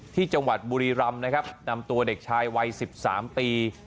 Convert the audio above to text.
ที่จังหวัดบุรีรำนะครับนำตัวเด็กชายวัย๑๓ปี